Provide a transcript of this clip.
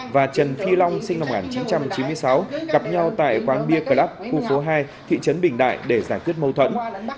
và trần phi long sinh năm một nghìn chín trăm chín mươi sáu gặp nhau tại quán bia club khu phố hai thị trấn bình đại để giải quyết mâu thuẫn